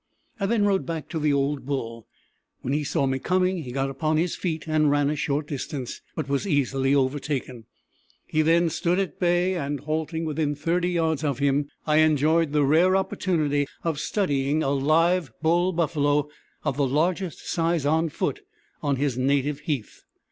I then rode back to the old bull. When he saw me coming he got upon his feet and ran a short distance, but was easily overtaken. He then stood at bay, and halting within 30 yards of him I enjoyed the rare opportunity of studying a live bull buffalo of the largest size on foot on his native heath.